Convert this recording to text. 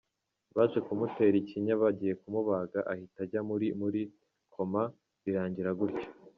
Baje kumutera ikinya bagiye kumubaga ahita ajya muri muri koma, birangira gutyo.